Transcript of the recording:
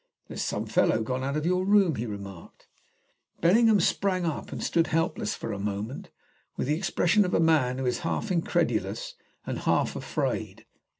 "There's some fellow gone in or out of your room," he remarked. Bellingham sprang up and stood helpless for a moment, with the expression of a man who is half incredulous and half afraid.